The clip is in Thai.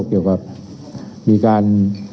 เกี่ยวกับมีการ